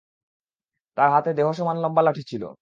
তার হাতে দেহ সমান লম্বা লাঠি ছিল।